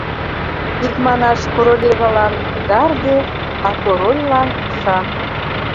Икманаш, королевалан — гарде, а корольлан — шах!..